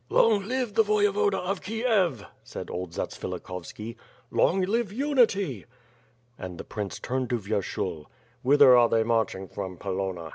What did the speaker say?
"Long live the Voyevoda of Kiev," said old Zatsvilik hovski. "Long live unity!" And the prince turned to Vyershul: "Whither are they marching from Polonna?